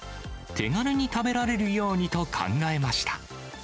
手軽に食べられるようにと考えました。